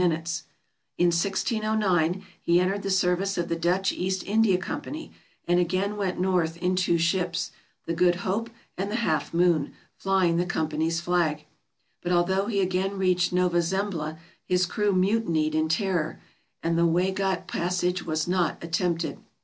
In 1609 he entered the service of the Dutch East India Company and again went north in two ships, the "Good Hope" and the "Half Moon," flying the Company's flag. But although he again reached Nova Zembla his crew mutinied in terror, and the Waigat passage was not attempted.